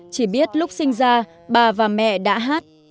chỉ biết lúc sinh ra bà và mẹ đã hát